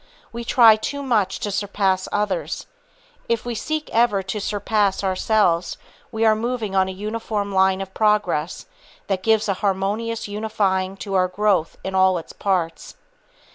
We try too much to surpass others. If we seek ever to surpass ourselves, we are moving on a uniform line of progress, that gives a harmonious unifying to our growth in all its parts.